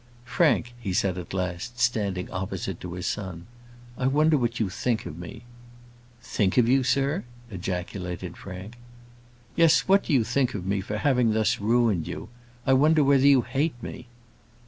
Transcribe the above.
"Frank," he said, at last, standing opposite to his son, "I wonder what you think of me?" "Think of you, sir?" ejaculated Frank. "Yes; what do you think of me, for having thus ruined you. I wonder whether you hate me?"